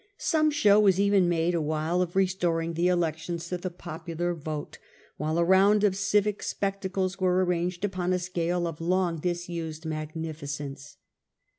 Some show was even made awhile of restoring the elections to the popular vote, while a round of civic spectacles was arranged upon a scale of long disused magnificence.